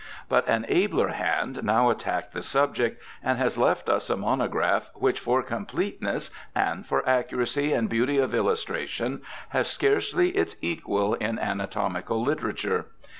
But an abler hand now attacked the subject, and has left us a monograph which for completeness and for accuracy and beauty of illustration has scarcely its equal in anatomical literature.